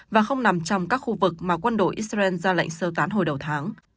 và không nằm trong các khu vực mà quân đội israel ra lệnh sơ tán hồi đầu tháng